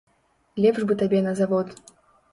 Лепш бы табе на завод.